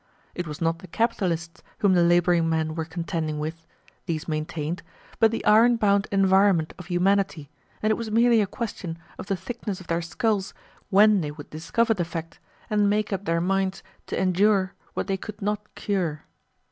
It was not the capitalists whom the laboring men were contending with, these maintained, but the iron bound environment of humanity, and it was merely a question of the thickness of their skulls when they would discover the fact and make up their minds to endure what they could not cure.